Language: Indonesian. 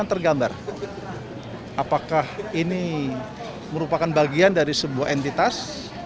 tergambar apakah ini merupakan bagian dari sebuah entitas